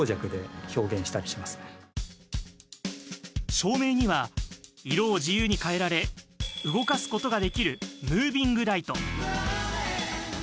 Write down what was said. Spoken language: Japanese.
照明には、色を自由に変えられ動かすことができるムービングライト。